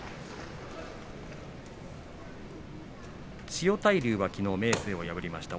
千代大龍はきのう明生を破りました。